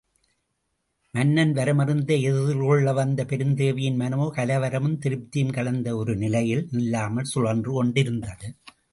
மன்னன் வரவறிந்து எதிர்கொள்ள வந்த பெருந்தேவியின் மனமோ, கலவரமும் திருப்தியும் கலந்து ஒரு நிலையில் நில்லாமல் சுழன்று கொண்டிருந்தது.